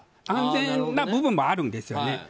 安全な部分もあるんですよね。